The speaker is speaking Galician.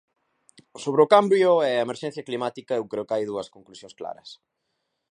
Sobre o cambio e a emerxencia climática eu creo que hai dúas conclusións claras.